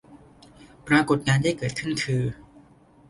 ปรากฎการณ์ที่เกิดขึ้นคือ